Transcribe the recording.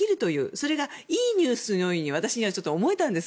それがいいニュースのように私には思えたんです